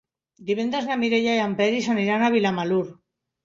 Divendres na Mireia i en Peris aniran a Vilamalur.